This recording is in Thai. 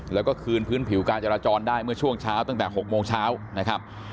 แล้วก็คืนพื้นผิวการจราจรได้เมื่อช่วงเช้าตั้งแต่๖โมงเช้านะครับ